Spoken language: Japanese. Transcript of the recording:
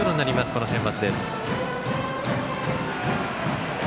このセンバツです。